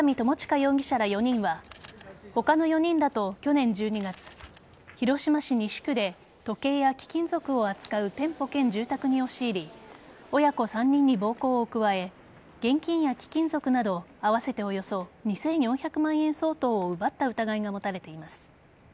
容疑者ら４人は他の４人らと去年１２月広島市西区で時計や貴金属を扱う店舗兼住宅に押し入り親子３人に暴行を加え現金や貴金属など合わせておよそ２４００万円相当を奪った疑いが持たれています。